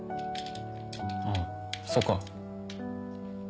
ああそっか。